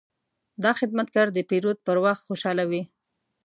دا خدمتګر د پیرود پر وخت خوشحاله وي.